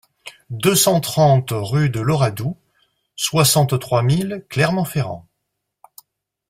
deux cent trente rue de l'Oradou, soixante-trois mille Clermont-Ferrand